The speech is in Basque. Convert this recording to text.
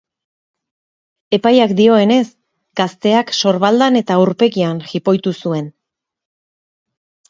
Epaiak dioenez, gazteak sorbaldan eta aurpegian jipoitu zuen.